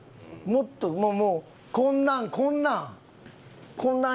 もっともうこんなんこんなん。